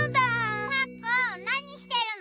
パックンなにしてるの？